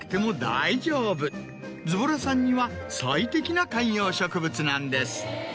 ズボラさんには最適な観葉植物なんです。